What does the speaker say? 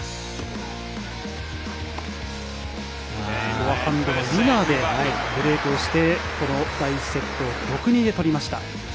フォアハンドのウィナーでブレークをして第１セット、６−２で取りました。